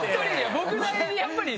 僕なりにやっぱり。